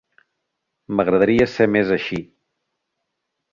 M'agradaria ser més així.